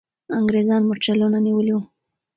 انګریزان مرچلونه نیولي وو.